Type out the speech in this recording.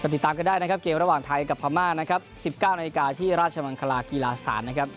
ติดตามกันได้นะครับเกมระหว่างไทยกับพม่านะครับ๑๙นาฬิกาที่ราชมังคลากีฬาสถานนะครับ